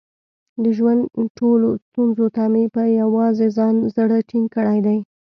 د ژوند ټولو ستونزو ته مې په یووازې ځان زړه ټینګ کړی دی.